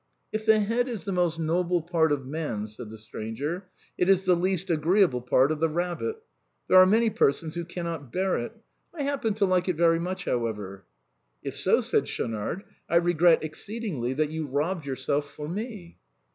" If the head is the most noble part of man," said the stranger, " it is the least agreeable part of the rabbit. There are many persons who cannot bear it. I happen to like it very much, however." " If so," said Schaunard, " I regret exceedingly that you robbed yourself for me."